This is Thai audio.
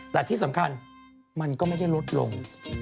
แต่ที่สำคัญมันก็ไม่ได้ลดลง